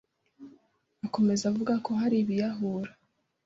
Akomeza avuga ko hari biyahura